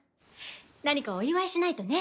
何かお祝いしないとね。